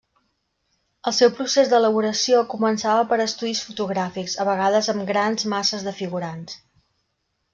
El seu procés d'elaboració començava per estudis fotogràfics, a vegades amb grans masses de figurants.